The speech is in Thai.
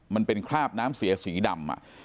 มันเป็นคราบน้ำเสียสีดำ